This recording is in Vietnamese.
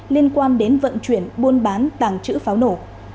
liên quan đến vận chuyển buôn bán tàng trữ pháo nổ